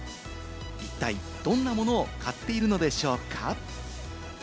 一体どんなものを買っているのでしょうか？